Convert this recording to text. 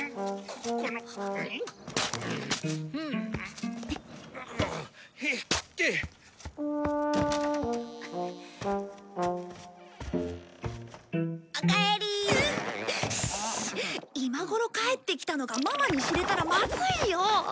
今頃帰ってきたのがママに知れたらまずいよ！